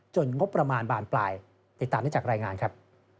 งบประมาณบานปลายติดตามได้จากรายงานครับ